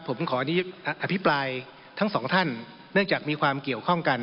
ผมขออนุญาตอภิปรายทั้งสองท่านเนื่องจากมีความเกี่ยวข้องกัน